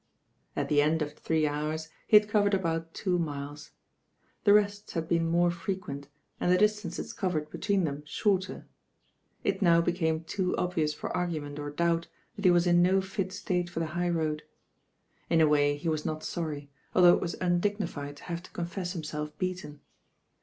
At the end of three hours he had covered about two miles. The rests had been more frequent, and the distances covered between them shorter. It now became too obvious for argument or doubt that he was in no fit state for the high road. In a way he 7« THE RAIN GIRL :ii was not sorry, although it was undignified to have to confess himself beaten.